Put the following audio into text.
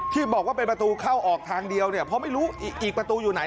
ที่บอกว่าเป็นประตูเข้าออกทางเดียวเนี่ยเพราะไม่รู้อีกประตูอยู่ไหน